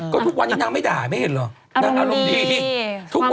ก็ทุกวันยังนางไม่ด่าไหมไม่เห็นหรอ